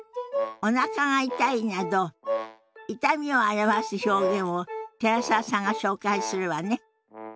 「おなかが痛い」など痛みを表す表現を寺澤さんが紹介するわね。